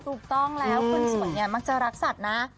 ถูกต้องแล้วคนสวยเนี่ยมักจะรักสัตว์นะ